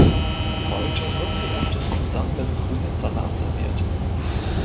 Heute wird sie öfters zusammen mit grünem Salat serviert.